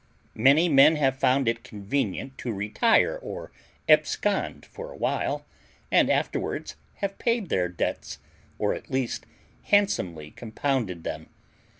Many men have found it convenient to retire or abscond for a while, and afterwards have paid their debts, or at least handsomely compounded them.